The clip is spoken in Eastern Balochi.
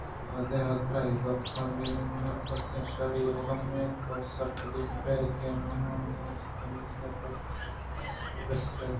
پرے حاترا اے گپ پہ بناربس ءَ شرّی ءُالمی اِنت تو سرپد بہ بئے کہ ہمابازیں اوست ءُاُمیت کہ تو پہ بناربس ءَ بستگ اَنت